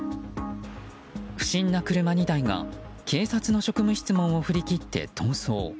不審な車２台が警察の職務質問を振り切って逃走。